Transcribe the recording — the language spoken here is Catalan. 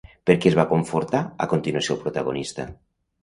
Per què es va confortar a continuació el protagonista?